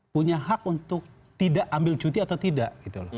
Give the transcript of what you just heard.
punya hak untuk tidak ambil cuti atau tidak